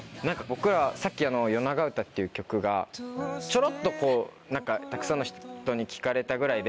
僕らさっき『夜永唄』っていう曲がちょろっとたくさんの人に聴かれたぐらいで。